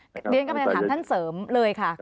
เรียนกันเลยถามท่านเสริมเลยค่ะ